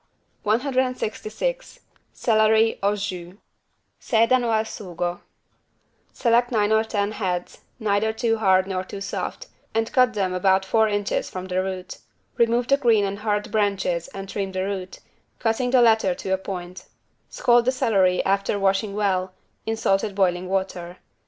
166 CELERY AU JUS (Sedano al sugo) Select nine or ten heads, neither too hard nor too soft, and cut them about four inches from the root. Remove the green and hard branches and trim the root, cutting the latter to a point. Scald the celery, after washing well, in salted boiling water.